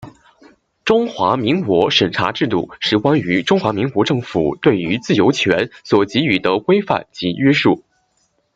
中华民国审查制度是关于中华民国政府对于自由权所给予的规范及约束。